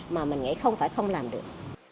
mà mình nghĩ không phải không làm được